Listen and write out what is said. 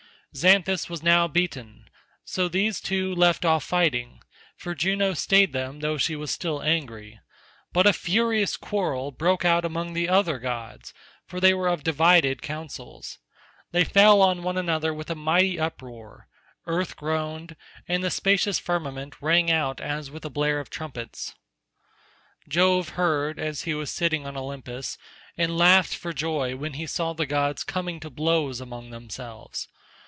Xanthus was now beaten, so these two left off fighting, for Juno stayed them though she was still angry; but a furious quarrel broke out among the other gods, for they were of divided counsels. They fell on one another with a mighty uproar—earth groaned, and the spacious firmament rang out as with a blare of trumpets. Jove heard as he was sitting on Olympus, and laughed for joy when he saw the gods coming to blows among themselves.